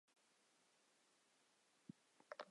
目标之一是收复吐谷浑故地。